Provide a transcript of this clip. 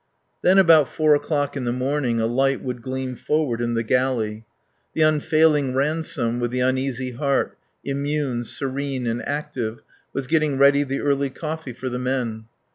Then about four o'clock in the morning a light would gleam forward in the galley. The unfailing Ransome with the uneasy heart, immune, serene, and active, was getting ready for the early coffee for the men.